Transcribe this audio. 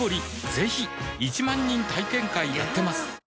ぜひ１万人体験会やってますはぁ。